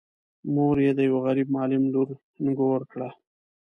مور یې د یوه غريب معلم لور نږور کړه.